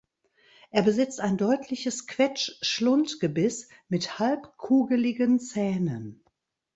Er besitzt ein deutliches Quetsch-Schlundgebiss mit halbkugeligen Zähnen.